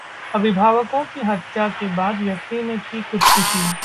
अभिभावकों की हत्या के बाद व्यक्ति ने की खुदकुशी